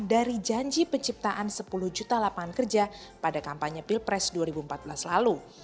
dari janji penciptaan sepuluh juta lapangan kerja pada kampanye pilpres dua ribu empat belas lalu